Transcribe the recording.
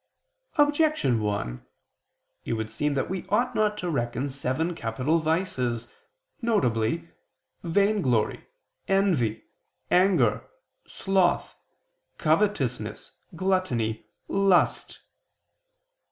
Objection 1: It would seem that we ought not to reckon seven capital vices, viz. vainglory, envy, anger, sloth, covetousness, gluttony, lust.